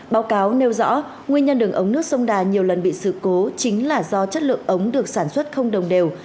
báo cáo nêu rõ nguyên nhân đường ống nước sông đà nhiều lần bị sự cố chính là do chất lượng ống được sản xuất không đồng đều